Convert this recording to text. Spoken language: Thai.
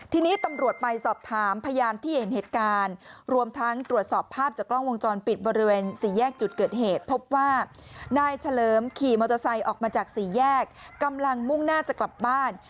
ทีนี้ตำรวจไปสอบถามพยานที่เห็นเหตุการณ์